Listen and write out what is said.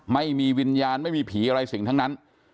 ไม่มีวิญญาณไม่มีผีอะไรสิ่งทั้งนั้น